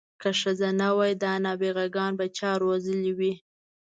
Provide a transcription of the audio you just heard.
که ښځې نه وای دا نابغه ګان به چا روزلي وی.